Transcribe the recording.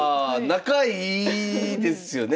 仲いいですよね